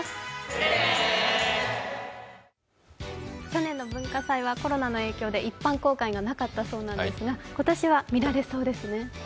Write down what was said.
去年の文化祭はコロナの影響で一般公開がなかったそうなんですが、今年は見られそうですね。